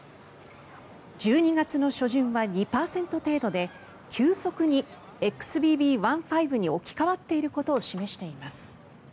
１２月の初旬は２％程度で急速にＸＢＢ．１．５に置き換わっていることを示しています。